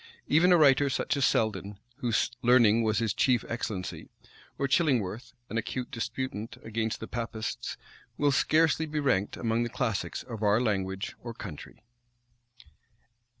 Even a writer such as Selden, whose learning was his chief excellency, or Chillingworth, an acute disputant against the Papists, will scarcely be ranked among the classics of our language or country.